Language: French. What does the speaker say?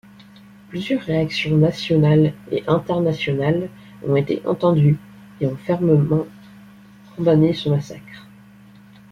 Plusieurs réactions nationales et internationales ont été entendues et ont fermement condamné ce massacre.